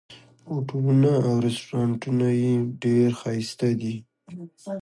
هوټلونه او رسټورانټونه یې ډېر ښایسته دي.